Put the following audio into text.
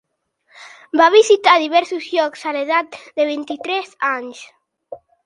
Va visitar diversos llocs a l'edat de vint-i-tres anys.